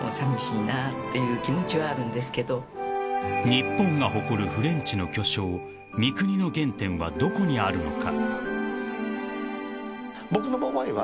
［日本が誇るフレンチの巨匠三國の原点はどこにあるのか］